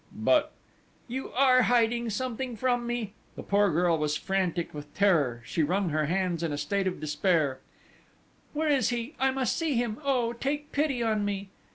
"But ..." "You are hiding something from me!" The poor girl was frantic with terror: she wrung her hands in a state of despair: "Where is he? I must see him! Oh, take pity on me!"